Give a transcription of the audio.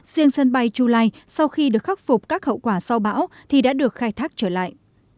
riêng sân bay chu lai sau khi được khắc phục các hậu quả sau bão thì đã được khai thác trở lại